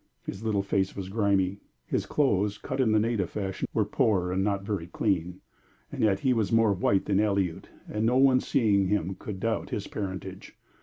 His little face was grimy, his clothes, cut in the native fashion, were poor and not very clean; yet he was more white than Aleut, and no one seeing him could doubt his parentage.